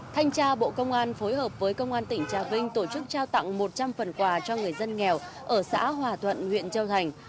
thanh tra bộ công an phối hợp với công an tỉnh trà vinh tổ chức trao tặng một trăm linh phần quà cho người dân nghèo ở xã hòa thuận huyện châu thành